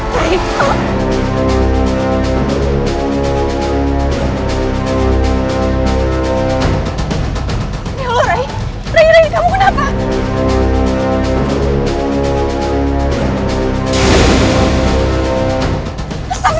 rai apa yang terjadi rai rai rai apa yang terjadi